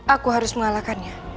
aku harus mengalahkannya